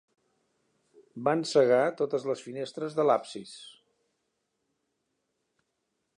Van cegar totes les finestres de l'absis.